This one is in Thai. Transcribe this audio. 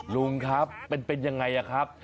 ลุงครับเป็นยังไงครับ